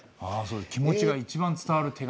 気持ちが一番伝わる手紙。